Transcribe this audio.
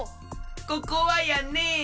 ここはやね